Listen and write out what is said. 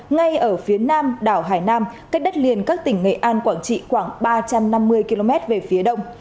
ngay ở phía nam đảo hải nam cách đất liền các tỉnh nghệ an quảng trị khoảng ba trăm năm mươi km về phía đông